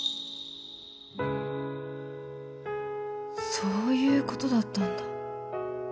そういうことだったんだ